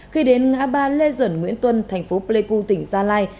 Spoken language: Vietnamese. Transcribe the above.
khi đến ngã ba lê duẩn nguyễn tuân thành phố pleiku tỉnh gia lai